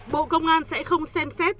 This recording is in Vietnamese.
bộ công an sẽ không xem xét